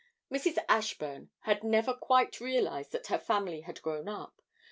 Mrs. Ashburn had never quite realised that her family had grown up.